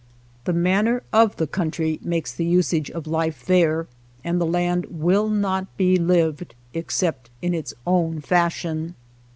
The manner of the country makes the usage of life there, and the land will not be lived in except in its own fashion.